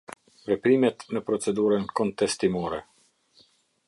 Veprimet në procedurën kontestimore.